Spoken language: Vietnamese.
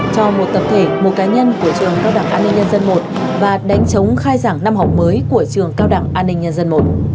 cho một tập thể một cá nhân của trường cao đảng an ninh nhân dân i và đánh chống khai giảng năm học mới của trường cao đẳng an ninh nhân dân i